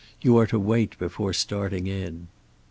You are to wait before starting in."